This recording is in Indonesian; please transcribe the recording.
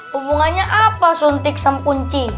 hubungannya apa suntik sang kunci